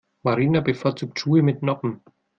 Marina bevorzugt Schuhe mit Noppen.